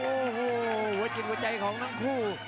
โอ้โหหัวจิตหัวใจของทั้งคู่